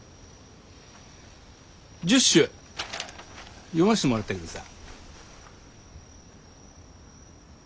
１０首読ましてもらったけどさぁ。